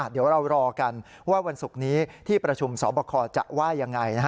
เดี๋ยวเรารอกันว่าวันศุกร์นี้ที่ประชุมสอบคอจะว่ายังไง